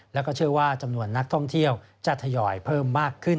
แล้วก็เชื่อว่าจำนวนนักท่องเที่ยวจะทยอยเพิ่มมากขึ้น